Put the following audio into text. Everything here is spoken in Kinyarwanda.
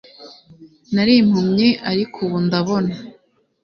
nari impumyi ariko ubu ndabona